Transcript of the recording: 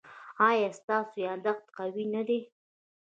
ایا ستاسو یادښت قوي نه دی؟